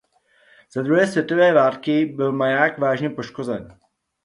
Za druhé světové války byl maják vážně poškozen.